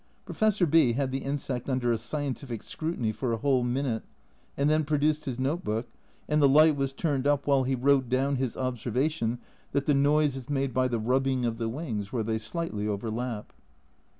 Professor B had the insect under a "scientific scrutiny" for a whole minute, and then produced his note book, and the light was turned up while he wrote down his observation that the noise is made by the rubbing of the wings where they slightly overlap.